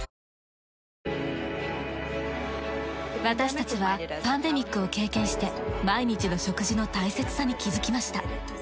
私たちはパンデミックを経験して毎日の食事の大切さに気づきました。